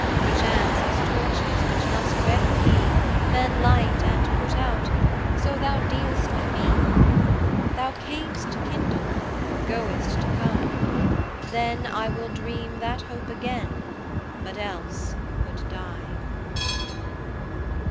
Perchance, as torches, which must ready be, Men light and put out, so thou dealst with me. Thou cam'st to kindle, goest to come: then IWill dream that hope again, but else would die.